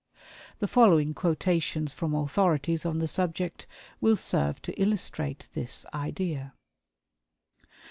The following quotations from authorities on the subject will serve to illustrate this idea.